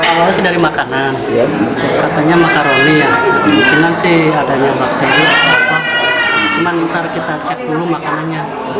awalnya dari makanan katanya makaroni kemudian ada nabak cuman nanti kita cek dulu makanannya